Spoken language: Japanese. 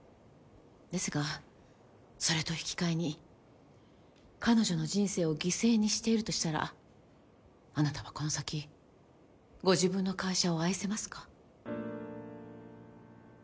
ですがそれと引き換えに彼女の人生を犠牲にしているとしたらあなたはこの先ご自分の会社を愛せますか？